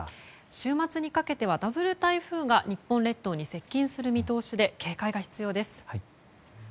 週末にかけてはダブル台風が日本列島に接近する見通しで警戒が必要です。